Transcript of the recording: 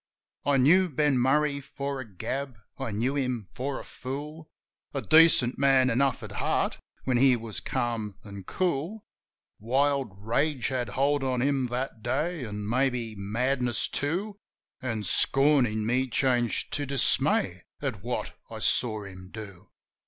I knew Ben Murray for a gab; I knew him for a fool — A decent man enough at heart when he was calm an' cool — Wild rage had hold on him that day, an', maybe, madness too ; An' scorn in me changed to dismay at what I saw him do.